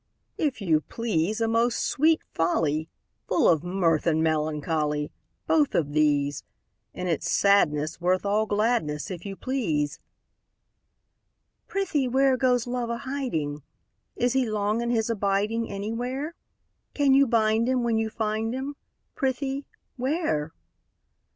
If you please, A most sweet folly! Full of mirth and melancholy: Both of these! In its sadness worth all gladness, If you please! Prithee where, Goes Love a hiding? Is he long in his abiding Anywhere? Can you bind him when you find him; Prithee, where?